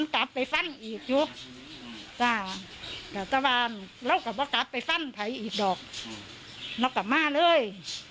ใครช่วย